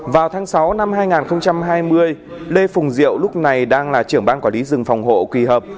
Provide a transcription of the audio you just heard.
vào tháng sáu năm hai nghìn hai mươi lê phùng diệu lúc này đang là trưởng ban quản lý rừng phòng hộ quỳ hợp